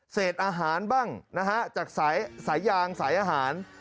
เศษอาหารบ้างนะฮะจากสายยางสายอาหาร